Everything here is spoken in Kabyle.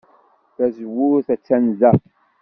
Tazewwut attan da.